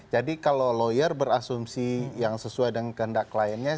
jadi kalau lawyer berasumsi yang sesuai dengan kehendak kliennya